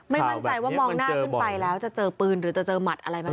มั่นใจว่ามองหน้าขึ้นไปแล้วจะเจอปืนหรือจะเจอหมัดอะไรบ้าง